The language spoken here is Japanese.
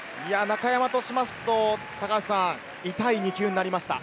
中山としますと痛い２球になりました。